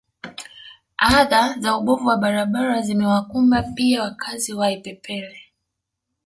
Adha za ubovu wa barabara zimewakumba pia wakazi wa Ipepele